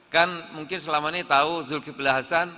kan mungkin selama ini tahu zulkifli hasan